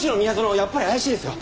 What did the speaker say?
やっぱり怪しいですよ。